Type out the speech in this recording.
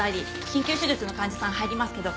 緊急手術の患者さん入りますけど